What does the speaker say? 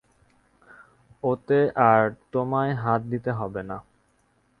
ওতে আর তোমায় হাত দিতে হবে না।